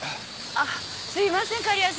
あっすいません狩矢さん。